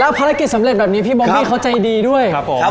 ภารกิจสำเร็จแบบนี้พี่บอบบี้เขาใจดีด้วยครับผม